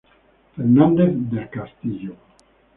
Fernández del Castillo.